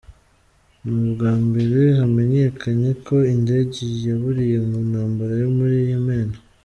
N’ubwa mbere hamenyekanye ko indege yaburiye mu ntambara yo muri Yemen.